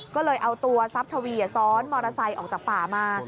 ก็เลยเอาตัวทรัพย์ทวีซ้อนมอเตอร์ไซค์ออกจากป่ามา